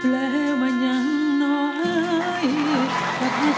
แล้วมันยังน้อยจัดมือเธอแล้วมันยังน้อย